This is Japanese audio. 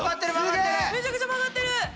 めちゃくちゃ曲がってる！